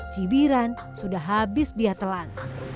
cibiran sudah habis dia telan